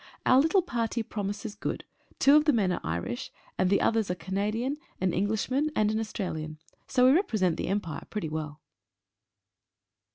Our little party promises good — two of the men are Irish, and the others a Canadian, an Englishman, and an Australian. So we represent the Empire pretty well.